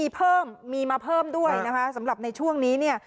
ก็มีมาเพิ่มด้วยสำหรับในช่วงนี้